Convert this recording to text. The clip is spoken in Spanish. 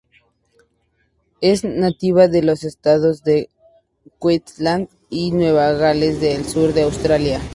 Es nativa de los estados de Queensland y Nueva Gales del Sur en Australia.